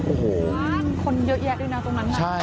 โอ้โหคนเยอะแยะด้วยนะตรงนั้นน่ะ